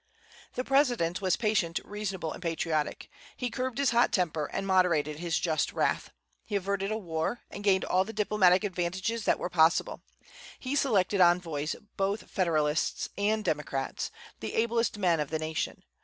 The President was patient, reasonable, and patriotic. He curbed his hot temper, and moderated his just wrath. He averted a war, and gained all the diplomatic advantages that were possible. He selected for envoys both Federalists and Democrats, the ablest men of the nation.